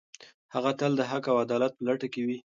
هغه تل د حق او عدالت په لټه کې و.